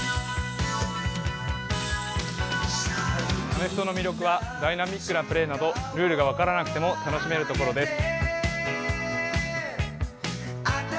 アメフトの魅力はダイナミックなプレーなどルールが分からなくても楽しめるところです。